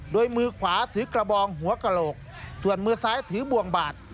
โดยมือขวาถือกระบองหัวกระโหลกส่วนมือซ้ายถือบ่วงบาด